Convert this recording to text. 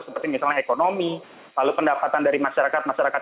seperti misalnya ekonomi lalu pendapatan dari masyarakat masyarakat